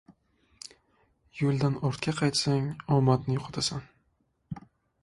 • Yo‘ldan ortga qaytsang, omadni yo‘qotasan.